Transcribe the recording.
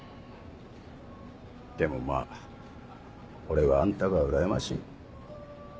でもまぁ俺はあんたがうらやましい。